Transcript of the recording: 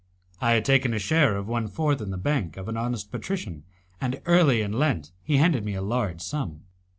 I had taken a share of one fourth in the bank of an honest patrician, and early in Lent he handed me a large sum.